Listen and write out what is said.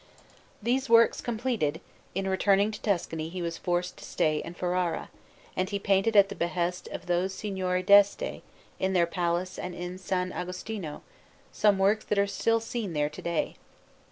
These works completed, in returning to Tuscany he was forced to stay in Ferrara, and he painted at the behest of those Signori d'Este, in their palace and in S. Agostino, some works that are still seen there to day.